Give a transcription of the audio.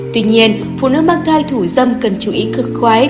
tuy nhiên phụ nữ mang thai thủ dâm cần chú ý cực khoái